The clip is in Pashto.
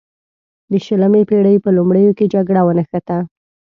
د شلمې پیړۍ په لومړیو کې جګړه ونښته.